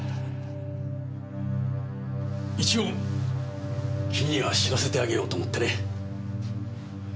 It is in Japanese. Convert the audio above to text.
一応君には知らせてあげようと思ってね。